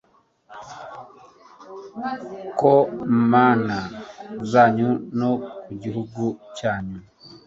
ku mana zanyu no ku gihugu cyanyu